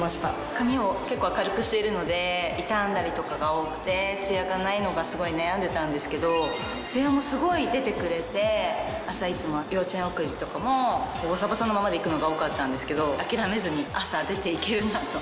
髪を結構明るくしているので傷んだりとかが多くてツヤがないのがすごい悩んでたんですけどツヤもすごい出てくれて朝いつも幼稚園送りとかもボサボサのままで行くのが多かったんですけど諦めずに朝出て行けるなと。